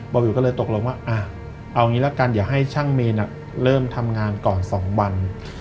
วิวก็เลยตกลงว่าเอางี้ละกันเดี๋ยวให้ช่างเมนเริ่มทำงานก่อน๒วัน